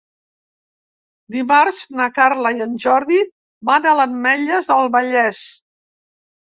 Dimarts na Carla i en Jordi van a l'Ametlla del Vallès.